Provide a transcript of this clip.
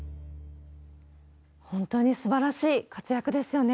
本当にすばらしい活躍ですよね。